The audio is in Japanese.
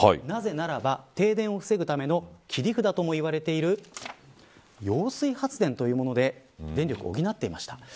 なぜならば、停電を防ぐための切り札と言われている揚水発電というもので電力を補っていました。